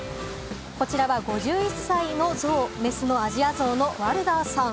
こちらは５１歳のゾウ、メスのアジアゾウのワルダーさん。